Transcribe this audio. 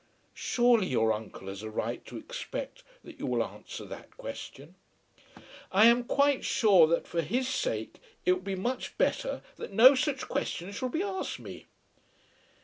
"Surely your uncle has a right to expect that you will answer that question." "I am quite sure that for his sake it will be much better that no such questions shall be asked me."